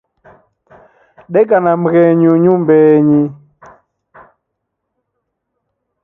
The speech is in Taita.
Deka na mghenyu nyumbenyi.